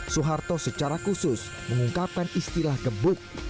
soeharto secara khusus mengungkapkan istilah kebut